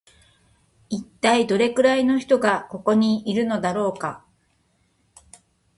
一体どれくらいの人がここのいるのだろうか